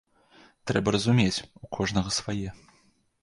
Трэба разумець, у кожнага свае.